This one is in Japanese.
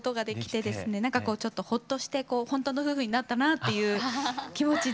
何かこうちょっとほっとしてこうほんとの夫婦になったなあっていう気持ちで。